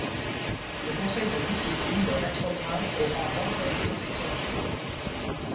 Le conseil de discipline le rétrograde au rang d'employé aux écritures.